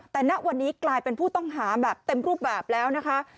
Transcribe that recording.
แต่ณวันนี้กลายเป็นผู้ต้องหาแบบเต็มรูปแบบแล้วนะคะ